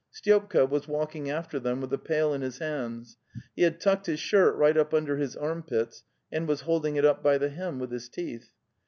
Styopka was walking after them with a pail in his hands; he had tucked his shirt right up under his armpits, and was holding it up by the hem with his teeth.